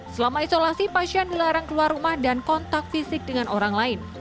selama isolasi pasien dilarang keluar rumah dan kontak fisik dengan orang lain